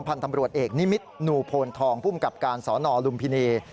พันธ์ตำรวจเอกนิมิตหนูโพนทองภูมิกับการสนลุมพินี